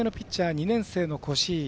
２年生の越井。